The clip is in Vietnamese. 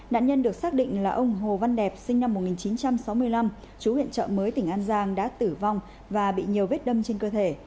nạn nhân được xác định là ông hồ văn đẹp sinh năm một nghìn chín trăm sáu mươi năm chú huyện trợ mới tỉnh an giang đã tử vong và bị nhiều vết đâm trên cơ thể